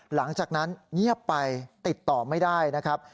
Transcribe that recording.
หลังจากนั้นเงียบไปติดต่อไม่ได้นะครับ